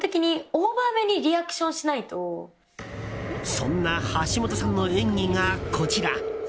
そんな橋本さんの演技がこちら。